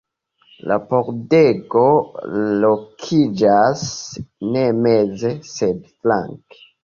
La pordego lokiĝas ne meze, sed flanke.